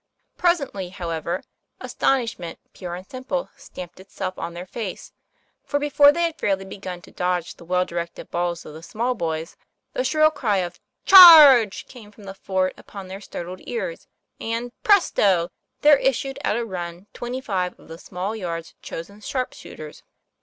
Presently, how ever, astonishment pure and simple stamped itself on their faces; for before they had fairly begun to dodge the well directed balls of the small boys, the shrill cry of " Charge!" came from the fort upon their startled ears, and presto! there issued at a run twenty five of the small yard's chosen sharp shooters.